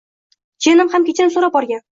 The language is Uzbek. Jiyanim ham kechirim so'rab borgan